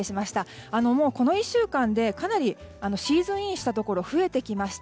もうこの１週間でかなりシーズンインしたところが増えてきました。